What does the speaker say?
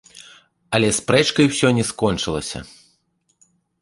Але спрэчкай усё не скончылася.